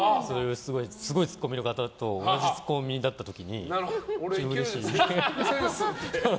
すごいツッコミの方と同じツッコミだった時に。